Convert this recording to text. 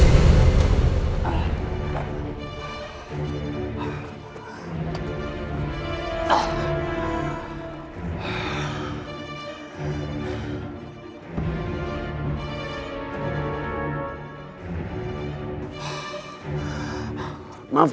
kamu sudah menjadi milikku